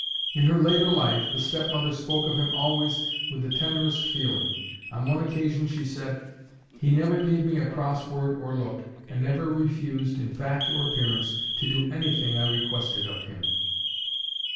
In her later life the step mother spoke of him always with the tenderest feeling. On one occasion she said: "He never gave me a cross word or look, and never refused, in fact or appearance, to do anything I requested of him."